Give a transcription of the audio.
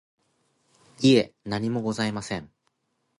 いえ、何もございません。